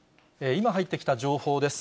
今入ってきた情報です。